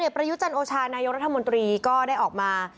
พระยุทธ์จัณโอชายนายองรัฐมนตรีก็ได้ออกมา